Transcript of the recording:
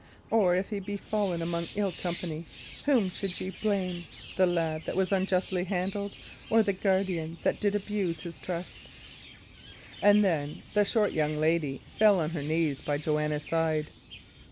Or if he be fallen among ill company, whom should ye blame the lad that was unjustly handled, or the guardian that did abuse his trust?" And then the short young lady fell on her knees by Joanna's side.